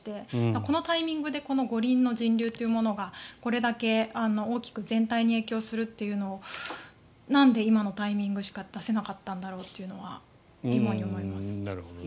このタイミングでこの五輪の人流というものがこれだけ大きく全体に影響するというのをなんで今のタイミングしか出せなかったんだろうとは疑問に思います。